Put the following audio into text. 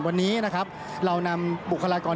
วันนี้เรานำบุคลากร